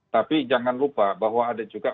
tapi jangan lupa bahwa ada juga